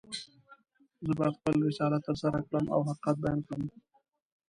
زه باید خپل رسالت ترسره کړم او حقیقت بیان کړم.